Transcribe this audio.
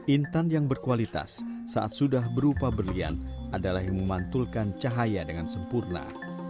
intan yang berkualitas saat sudah berupa berlian adalah yang memantulkan cahaya dengan sempurna